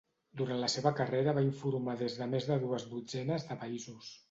Durant la seva carrera va informar des de més de dues dotzenes de països.